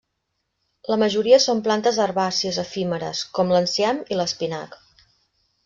La majoria són plantes herbàcies efímeres com l'enciam i l'espinac.